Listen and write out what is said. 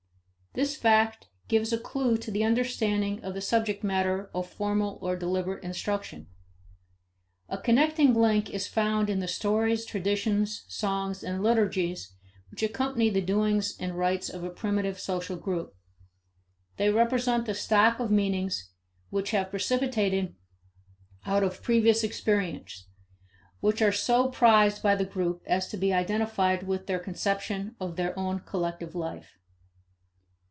This fact gives a clew to the understanding of the subject matter of formal or deliberate instruction. A connecting link is found in the stories, traditions, songs, and liturgies which accompany the doings and rites of a primitive social group. They represent the stock of meanings which have been precipitated out of previous experience, which are so prized by the group as to be identified with their conception of their own collective life.